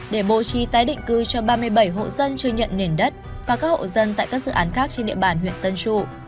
để bố trí tái định cư cho ba mươi bảy hộ dân chưa nhận nền đất và các hộ dân tại các dự án khác trên địa bàn huyện tân trụ